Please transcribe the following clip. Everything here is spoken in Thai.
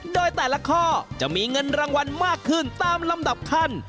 โดยแต่ละข้อจะมีเงินรางวัลมากขึ้นตามลำดับขั้น